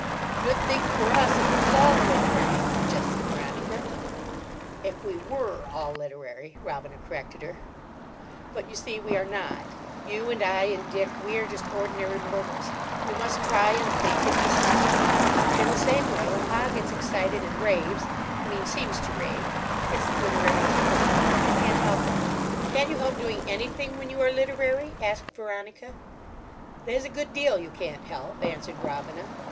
"Good thing for us if we was all literary," suggested Veronica. "If we 'were' all literary," Robina corrected her. "But you see we are not. You and I and Dick, we are just ordinary mortals. We must try and think, and be sensible. In the same way, when Pa gets excited and raves—I mean, seems to rave—it's the literary temperament. He can't help it." "Can't you help doing anything when you are literary?" asked Veronica. "There's a good deal you can't help," answered Robina.